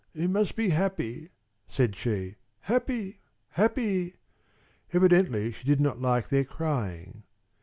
"You must be happy," said she, "happy, happy!" Evidently she did not like their crying.